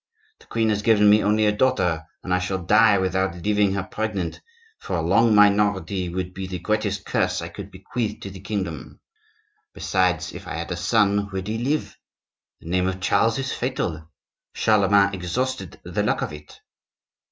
The queen has given me only a daughter, and I shall die without leaving her pregnant; for a long minority would be the greatest curse I could bequeath to the kingdom. Besides, if I had a son, would he live? The name of Charles is fatal; Charlemagne exhausted the luck of it.